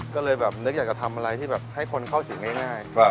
ก็เลยแบบนึกอยากจะทำอะไรที่แบบให้คนเข้าถึงง่าย